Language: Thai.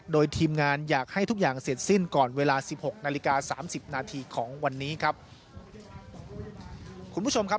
โดยทีมงานอยากให้ทุกอย่างเสร็จสิ้นก่อนเวลาสิบหกนาฬิกาสามสิบนาทีของวันนี้ครับคุณผู้ชมครับ